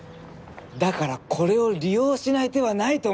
だからこれを利用しない手はないと思った。